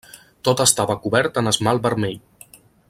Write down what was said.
Tot estava cobert en esmalt vermell.